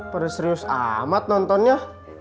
pedas serius amat nontonnya